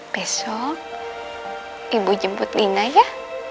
besok ibu jemput lina ya